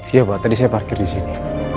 iya pak tadi saya parkir di sini